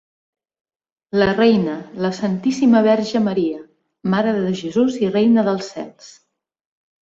La reina: la Santíssima Verge Maria, Mare de Jesús i Reina dels Cels.